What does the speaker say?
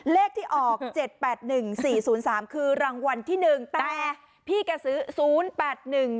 เลขที่ออก๗๘๑๔๐๓คือรางวัลที่๑แต่พี่กะสือ๐๘๑๗๐๓